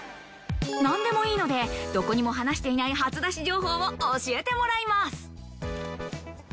なんでもいいので、どこにも話していない、初出し情報を教えてもらいます。